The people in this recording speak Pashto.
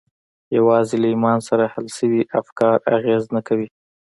یوازې له ایمان سره حل شوي افکار اغېز نه کوي